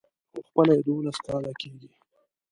خو خپله يې دولس کاله کېږي.